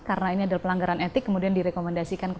karena ini adalah pelanggaran etik kemudian direkomendasikan